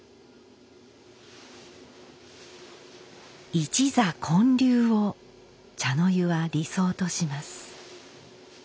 「一座建立」を茶の湯は理想とします。